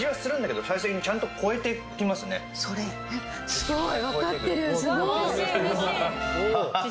すごーい